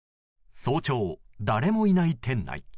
早朝、誰もいない店内。